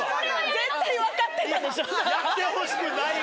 絶対分かってたでしょ。